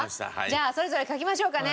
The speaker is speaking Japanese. じゃあそれぞれ書きましょうかね。